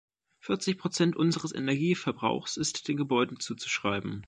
Vierzig Prozent unseres Energieverbrauchs ist den Gebäuden zuzuschreiben.